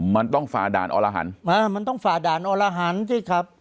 มันต้องฝ่าด่านอลหันท์มันต้องฝ่าด่านอลหันท์ใช่ครับ